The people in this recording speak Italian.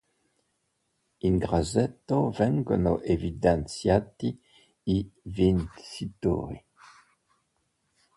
In grassetto vengono evidenziati i vincitori.